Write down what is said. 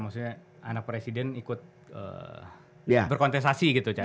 maksudnya anak presiden ikut berkontestasi gitu